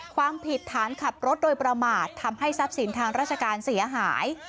ความผิดฐานขับรถโดยประมาททำให้ทรัพย์สินทางราชการเสียหาย